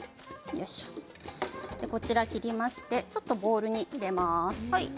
こちら、切りましてボウルに入れます。